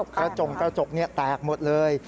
กระจกแตกหมดเลย